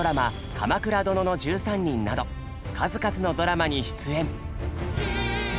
「鎌倉殿の１３人」など数々のドラマに出演。